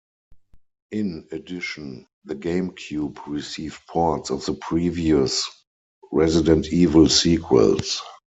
In addition, the GameCube received ports of the previous "Resident Evil" sequels.